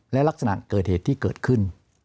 และลักษณะเกิดเหตุที่เกิดขึ้น